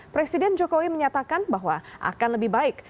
presiden jokowi menyatakan bahwa akan lebih baik